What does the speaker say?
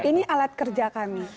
ini alat kerja kami